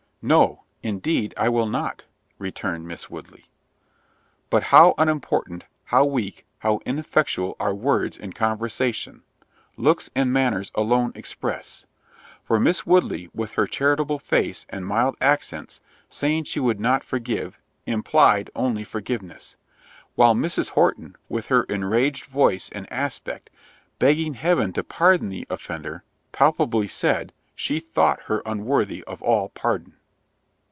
"No, indeed I will not," returned Miss Woodley. But how unimportant, how weak, how ineffectual are words in conversation—looks and manners alone express—for Miss Woodley, with her charitable face and mild accents, saying she would not forgive, implied only forgiveness—while Mrs. Horton, with her enraged voice and aspect, begging heaven to pardon the offender, palpably said, she thought her unworthy of all pardon.